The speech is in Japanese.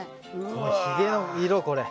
このひげの色これ。